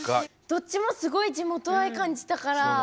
どっちもすごい地元愛感じたから。